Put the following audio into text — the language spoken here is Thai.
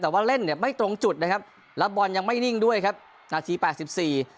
แต่ว่าเล่นเนี่ยไม่ตรงจุดนะครับแล้วบอลยังไม่นิ่งด้วยครับนาทีแปดสิบสี่